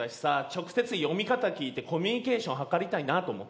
直接読み方聞いてコミュニケーション図りたいなと思って。